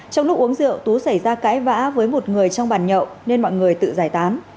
trong lúc uống rượu tú xảy ra cãi vã với một người trong bàn nhậu nên mọi người tự giải tán